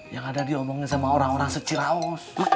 yang ada diomongin sama orang orang seciraus